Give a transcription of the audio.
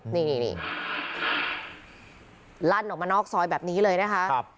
นี่ลั่นออกมานอกซอยแบบนี้เลยนะคะ